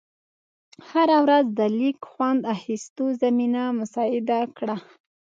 هره ورځ د لیږ خوند اخېستو زمینه مساعده کړه.